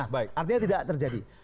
nah artinya tidak terjadi